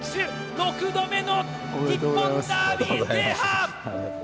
６度目の日本ダービー制覇！